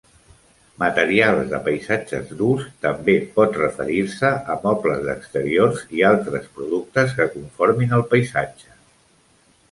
"Materials de paisatge durs" també pot referir-se a mobles d'exteriors i altres productes que conformin el paisatge.